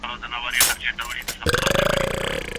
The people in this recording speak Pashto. خوب د بدن ستړيا لرې کوي.